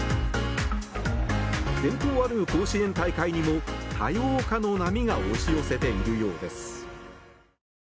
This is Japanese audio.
伝統ある甲子園大会にも多様化の波が押し寄せているようです。